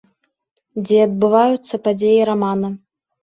Дзе адбываюцца падзеі рамана.